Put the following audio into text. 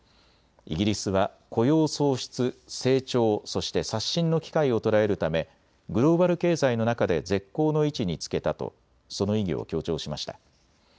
イギリスは雇用創出、成長、そして刷新の機会を捉えるためグローバル経済の中で絶好の位置につけたとその意義を強調しました。